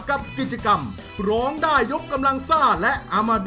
กับกิจกรรมร้องได้ยกกำลังซ่า